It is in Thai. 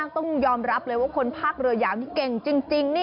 ต้องยอมรับเลยว่าคนภาคเรือยาวนี่เก่งจริง